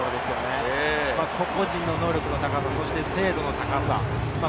個人の能力の高さ、精度の高さ。